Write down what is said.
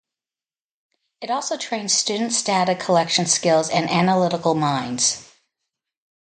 It also trains students' data collection skills and analytical minds.